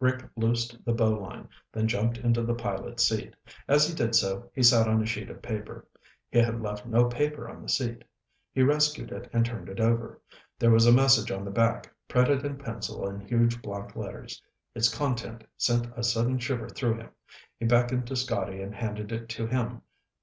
Rick loosed the bow line, then jumped into the pilot's seat. As he did so, he sat on a sheet of paper. He had left no paper on the seat. He rescued it and turned it over. There was a message on the back, printed in pencil in huge block letters. Its content sent a sudden shiver through him. He beckoned to Scotty and handed it to him.